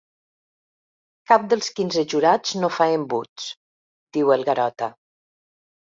Cap dels quinze jurats no fa embuts —diu el Garota.